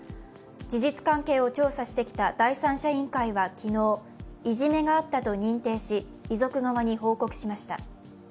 事実関係を調査してきた第三者委員会は昨日、いじめがあったと認定し、遺族側に報告しました。